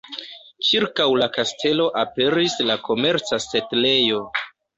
Ĉirkaŭ la kastelo aperis la komerca setlejo.